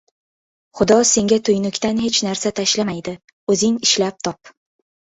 • Xudo senga tuynukdan hech narsa tashlamaydi. O‘zing ishlab top.